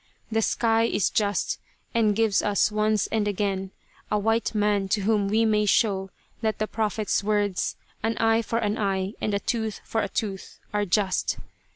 The sky is just, and gives us once and again a white man to whom we may show that the prophet's words 'an eye for an eye and a tooth for a tooth,' are just.